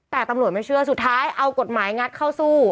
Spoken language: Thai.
แต่ตำรวจไม่เชื่อสุดท้ายเอากฎหมายงัดเข้าสู้